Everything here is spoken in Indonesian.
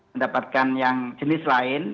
mendapatkan yang jenis lain